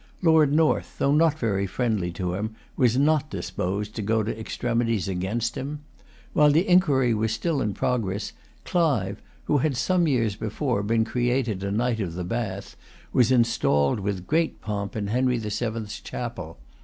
Lord North, though not very friendly to him, was not disposed to go to extremities against him. While the inquiry was still in progress, Clive, who had some years before been created a Knight of the Bath, was installed with great pomp in Henry the Seventh's Chapel.